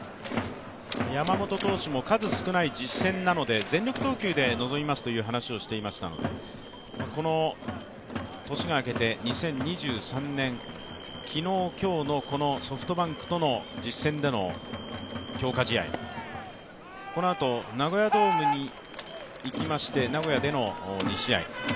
山本投手も数少ない実戦なので全力投球で臨みますという話をしていましたので、この年が明けて２０２３年昨日、今日のこのソフトバンクとの実戦での強化試合、このあとナゴヤドームに行きまして名古屋での２試合。